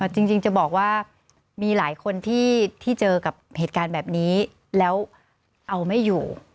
จริงจะบอกว่ามีหลายคนที่เจอกับเหตุการณ์แบบนี้แล้วเอาไม่อยู่